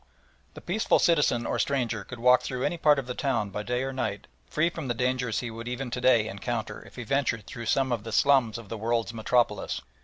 The peaceful citizen or stranger could walk through any part of the town by day or night free from the dangers he would even to day encounter if he ventured through some of the slums of the "World's Metropolis."